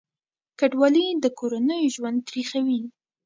کډوالي د کورنیو ژوند تریخوي.